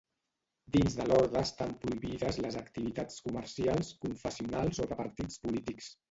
Dins de l'Orde estan prohibides les activitats comercials, confessionals o de partits polítics.